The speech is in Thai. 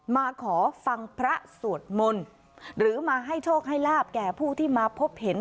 มาขอฟังพระสวดมนต์หรือมาให้โชคให้ลาบแก่ผู้ที่มาพบเห็น